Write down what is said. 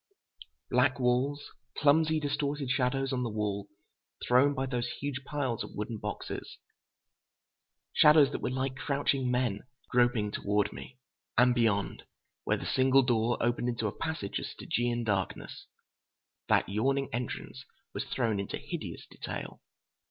Black walls, clumsy, distorted shadows on the wall, thrown by those huge piles of wooden boxes. Shadows that were like crouching men, groping toward me. And beyond, where the single door opened into a passage of Stygian darkness, that yawning entrance was thrown into hideous detail.